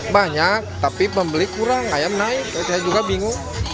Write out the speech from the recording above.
banyak tapi pembeli kurang ayam naik saya juga bingung